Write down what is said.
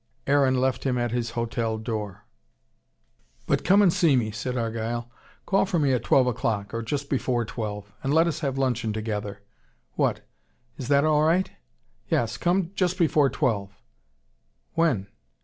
Aaron left him at his hotel door. "But come and see me," said Argyle. "Call for me at twelve o'clock or just before twelve and let us have luncheon together. What! Is that all right? Yes, come just before twelve. When?